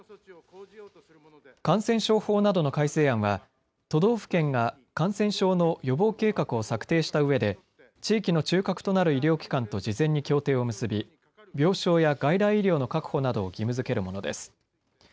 感染症法などの改正案は都道府県が感染症の予防計画を策定したうえで地域の中核となる医療機関と事前に協定を結び病床や外来医療の確保などを義務づけるものです。